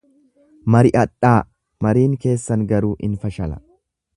Mari'adhaa, mariin keessan garuu in fashala.